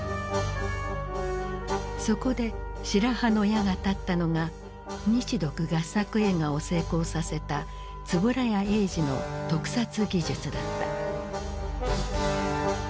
そこで白羽の矢が立ったのが日独合作映画を成功させた円谷英二の特撮技術だった。